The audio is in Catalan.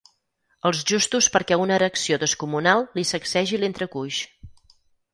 Els justos perquè una erecció descomunal li sacsegi l'entrecuix.